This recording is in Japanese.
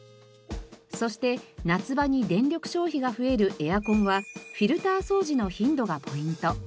そして夏場に電力消費が増えるエアコンはフィルター掃除の頻度がポイント。